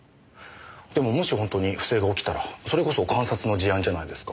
でももし本当に不正が起きたらそれこそ監察の事案じゃないですか。